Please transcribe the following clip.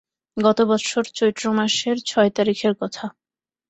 গত বৎসর চৈত্র মাসের ছয় তারিখের কথা।